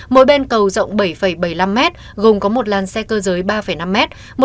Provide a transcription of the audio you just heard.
mỗi bên cầu rộng bảy bảy mươi năm m gồm có một làn xe cơ giới ba năm m